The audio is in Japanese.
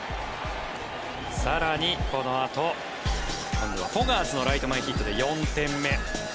更に、このあと今度はボガーツのライト前ヒットで４点目。